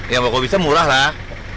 yang kalau bisa murah lah